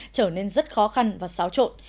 trở nên rất khó khăn và xáo trộn